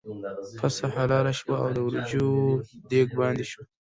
پسه حلال شو او د وریجو دېګ باندې شو.